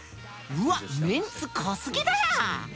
うわっメンツ濃すぎだな！